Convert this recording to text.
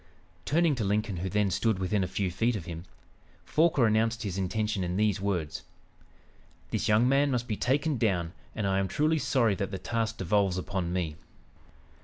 Turning to Lincoln who then stood within a few feet of him, Forquer announced his intention in these words: "This young man must be taken down, and I am truly sorry that the task devolves upon me."